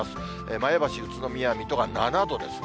前橋、宇都宮、水戸が７度ですね。